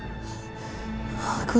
yang kalian berikan